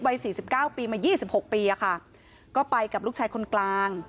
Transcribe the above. วัย๔๙ปีมา๒๖ปีอะค่ะก็ไปกับลูกชายคนกลาง